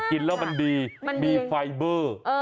กินแล้วมันดีมีไฟเบอร์